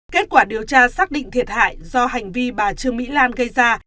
kết quả điều tra xác định thiệt hại do hành vi bà trương mỹ lan gây ra